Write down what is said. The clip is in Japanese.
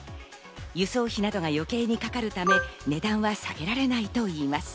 輸送費などが余計にかかるため、値段は下げられないといいます。